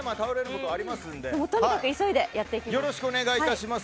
とにかく急いでやってきます。